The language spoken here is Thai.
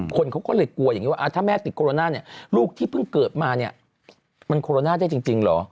คนเขาก็เลยกลัวอย่างนี้ว่าถ้าแม่ติดโคโรนาเนี่ยลูกที่เพิ่งเกิดมาเนี่ยมันโคโรนาได้จริงเหรอ